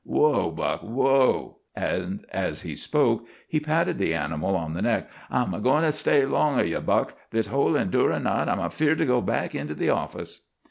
Whoa, Buck, whoa," and as he spoke he patted the animal on the neck. "I'm a goin' to stay 'long o' you, Buck, this whole endurin' night. I'm afeard to go back into the office."